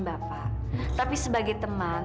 bapak tapi sebagai teman